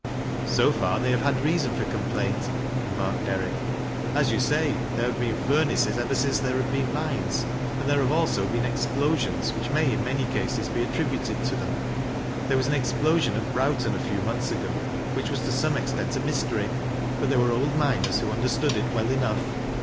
" So far they have had reason for complaint," remarked Derrick. " As you say, there have been furnaces evei 320 THAT LA3B 0' L0WRI1P8. since there have been mines, and there ha\e also been ei plosions which may in many cases be attributed to them There was an explosion at Browton a mouth ago which was to some extent a mystery, but there were old miners who understood it well enough.